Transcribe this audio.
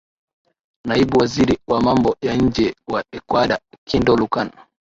naibu waziri wa mambo ya nje wa ecuador kindo lukan